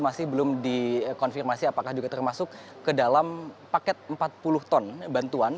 masih belum dikonfirmasi apakah juga termasuk ke dalam paket empat puluh ton bantuan